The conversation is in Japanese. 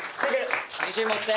自信持って！